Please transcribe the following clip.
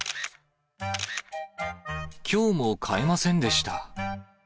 きょうも買えませんでした。